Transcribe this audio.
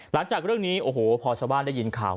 หลังจากเรื่องนี้โอ้โหพอชาวบ้านได้ยินข่าว